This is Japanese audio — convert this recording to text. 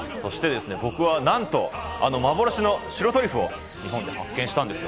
僕はなんと、幻の白トリュフを日本で発見したんです。